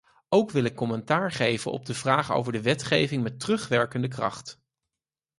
Ook wil ik commentaar geven op de vraag over de wetgeving met terugwerkende kracht.